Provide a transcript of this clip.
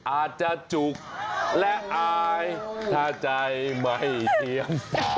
อาจจะจุกและอายถ้าใจไม่เพียง